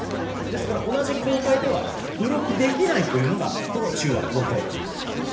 ですから、同じ抗体ではブロックできないというのがこの中和抗体薬です。